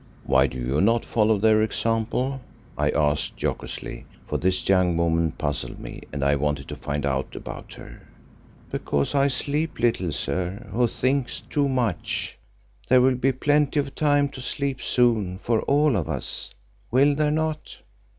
"Why do you not follow their example?" I asked jocosely, for this young woman puzzled me and I wanted to find out about her. "Because I sleep little, sir, who think too much. There will be plenty of time to sleep soon for all of us, will there not?"